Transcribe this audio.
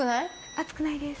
熱くないです。